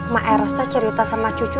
mak eras teh cerita sama cucu